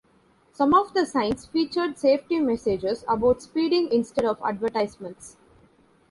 Some of the signs featured safety messages about speeding instead of advertisements.